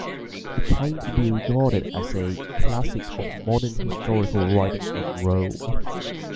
It came to be regarded as "a classic of modern historical writing on Rome".